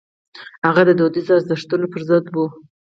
هغه د دودیزو ارزښتونو پر ضد و.